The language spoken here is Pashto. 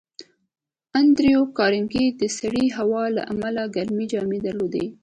انډریو کارنګي د سړې هوا له امله ګرمې جامې درلودې